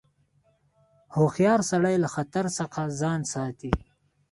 هوښیار سړی له خطر څخه ځان ساتي.